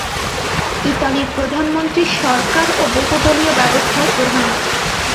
ইতালির প্রধানমন্ত্রী সরকার ও বহুদলীয় ব্যবস্থার প্রধান।